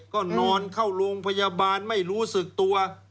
ก็นอนเข้าโรงพยาบาลไม่รู้สึกตัว